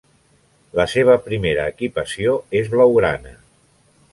La seva primera equipació és blaugrana.